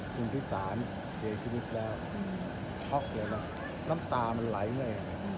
คุณพิสารเสียชีวิตแล้วช็อกเลยนะน้ำตามันไหลเลย